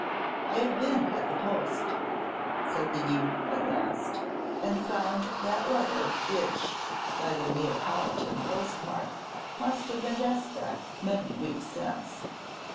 "I have been at the post," said the youth, at last, "and found that letter, which, by the Neapolitan postmark, must have been despatched many weeks since."